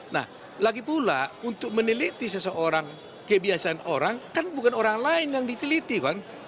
nah lagi pula untuk meneliti seseorang kebiasaan orang kan bukan orang lain yang diteliti kan